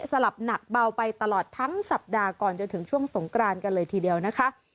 สลับหนักเบาไปตลอดทั้งสัปดาห์ก่อนจนถึงช่วงสงกรานกันเลยทีเดียวนะคะ